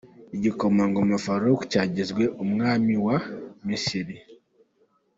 Igikomangoma Farouk cyagizwe umwami wa wa Misiri.